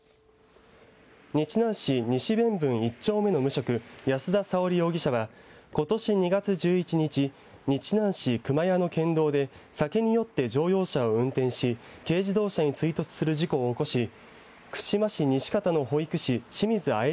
日南市西弁分１丁目の無職安田佐緒里容疑者はことし２月１１日日南市隈谷の県道で、酒に酔って乗用車を運転し軽自動車に追突する事故を起こし串間市西方の保育士清水愛笑